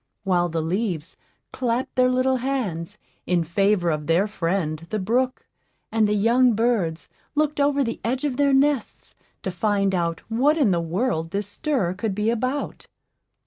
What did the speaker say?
while the leaves "clapped their little hands" in favor of their friend the brook, and the young birds looked over the edge of their nests to find out what in the world this stir could be about.